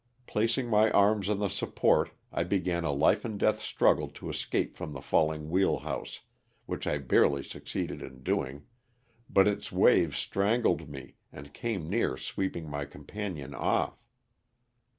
Placing my arms on the support I began a life and death struggle to escape from the falling wheel house, which I barely succeeded in doing, but its waves strangled me and came near sweeping my companion off.